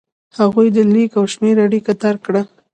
هغوی د لیک او شمېر اړیکه درک کړه.